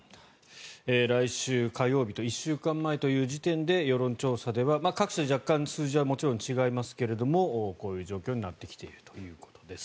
来週火曜日１週間前という時点で世論調査では各社若干、数字はもちろん違いますがこういう状況になってきているということです。